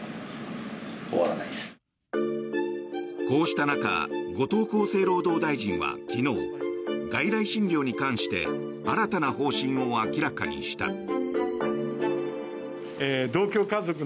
こうした中後藤厚生労働大臣は昨日外来診療に関して新たな方針を明らかにした。